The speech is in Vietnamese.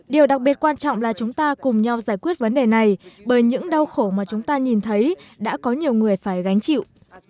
điều đặc biệt quan trọng là chúng ta cùng nhau giải quyết vấn đề này bởi những đau khổ mà chúng ta nhìn thấy đã có nhiều người phải gánh chịu